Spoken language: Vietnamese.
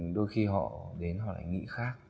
đôi khi họ đến họ lại nghĩ khác